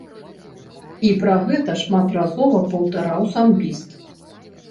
І пра гэта шматразова паўтараў самбіст.